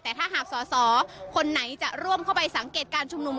แต่ถ้าหากสอสอคนไหนจะร่วมเข้าไปสังเกตการชุมนุม